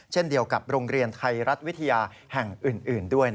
เช่นเดียวกับโรงเรียนไทยรัฐวิทยาแห่งอื่นด้วย